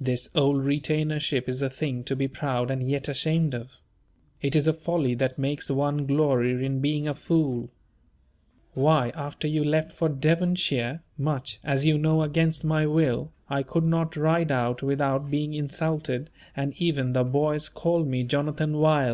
This old retainership is a thing to be proud and yet ashamed of. It is a folly that makes one glory in being a fool. Why, after you left for Devonshire (much, as you know, against my will), I could not ride out without being insulted, and even the boys called me "Jonathan Wild."